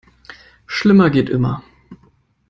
Schlimmer geht immer.